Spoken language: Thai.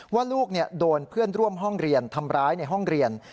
ว่าลูกโดนเพื่อนร่วมห้องเรียนทำร้ายในห้องเรียน